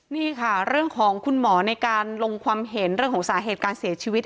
นี่ค่ะเรื่องของคุณหมอในการลงความเห็นเรื่องของสาเหตุการเสียชีวิต